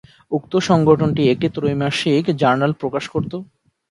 উক্ত সংগঠনটি একটি ত্রৈমাসিক জার্নাল প্রকাশ করত।